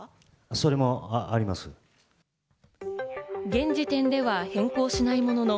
現時点では変更しないものの、